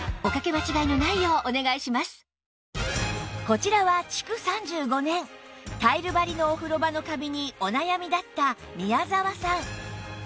こちらは築３５年タイル張りのお風呂場のカビにお悩みだった宮澤さん